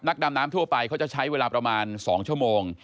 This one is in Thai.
ดำน้ำทั่วไปเขาจะใช้เวลาประมาณ๒ชั่วโมง